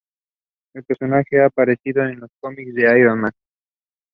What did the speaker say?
El personaje ha aparecido en los cómics de Iron Man.